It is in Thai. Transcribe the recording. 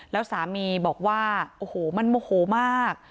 แล้วสามีบอกว่าโอ้โหมันโมโหมาก